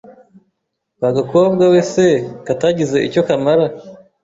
Wa gakobwa we se katagize icyo kamara,